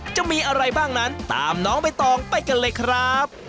จะมีอะไรบ้างนั้นตามน้องใบตองไปกันเลยครับ